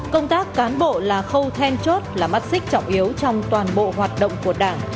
công tác cán bộ là khâu then chốt là mắt xích trọng yếu trong toàn bộ hoạt động của đảng